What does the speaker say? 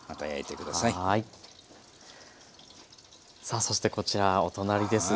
さあそしてこちらお隣です。